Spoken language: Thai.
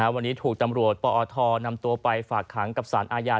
วันนี้ถูกตำรวจปอทนำตัวไปฝากขังกับสารอาญา